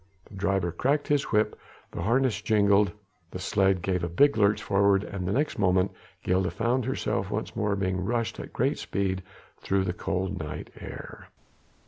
the driver cracked his whip, the harness jingled, the sledge gave a big lurch forward and the next moment Gilda found herself once more being rushed at great speed through the cold night air.